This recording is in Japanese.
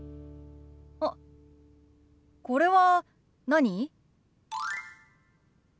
あっこれは何？